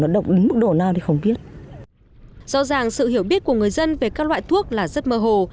do rằng sự hiểu biết của người dân về các loại thuốc là rất mơ hồ